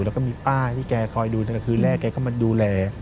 แล้วก็มีป้าที่แกคอยดูตั้งแต่คืนแรกแกก็มาดูแล